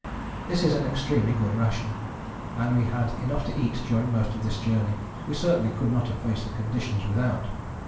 This is an extremely good ration, and we had enough to eat during most of this journey. We certainly could not have faced the conditions without.